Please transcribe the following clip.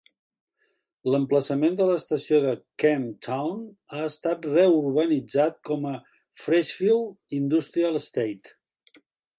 L'emplaçament de l'estació de Kemp Town ha estat reurbanitzat com a Freshfield Industrial Estate.